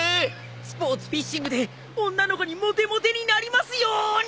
スポーツフィッシングで女の子にモテモテになりますように！